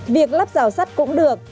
việc lắp rào sắt cũng được